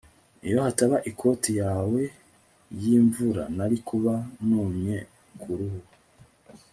iyo hataba ikoti yawe yimvura, nari kuba numye kuruhu